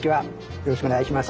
よろしくお願いします。